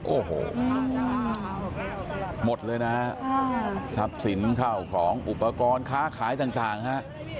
โอ้โหหมดเลยนะฮะทรัพย์สินเข้าของอุปกรณ์ค้าขายต่างฮะ